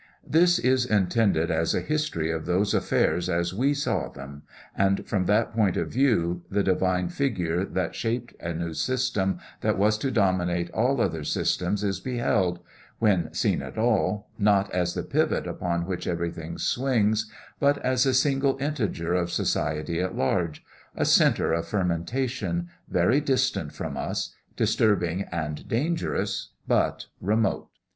This is intended as a history of those affairs as we saw them, and from that view point the divine Figure that shaped a new system that was to dominate all other systems is beheld when seen at all not as the pivot upon which everything swings, but as a single integer of society at large a centre of fermentation, very distant from us disturbing and dangerous, but remote.